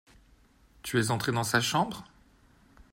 Tu es entrée dans sa chambre ?